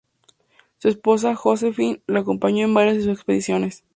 Su esposa, Josephine, lo acompañó en varias de sus expediciones.